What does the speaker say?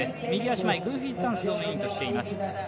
右足前、グーフィースタンスをメインとしています。